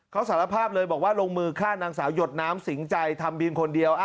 เขาสารภาพเลยบอกว่าลงมือฆ่านางสาวหยดน้ำสิงใจทำบินคนเดียว